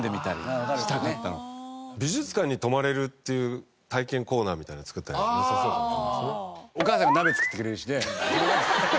美術館に泊まれるっていう体験コーナーみたいなの作ったらよさそうかもしれませんね。